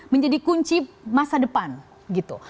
menjadi kunci masa depan gitu